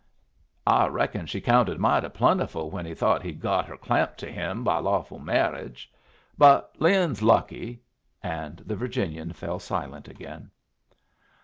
"I reckon she counted mighty plentiful when he thought he'd got her clamped to him by lawful marriage. But Lin's lucky." And the Virginian fell silent again.